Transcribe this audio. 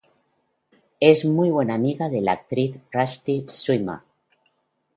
Es muy buena amiga de la actriz Rusty Schwimmer.